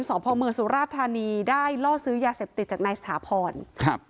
สพเมืองสุราธานีได้ล่อซื้อยาเสพติดจากนายสถาพรครับ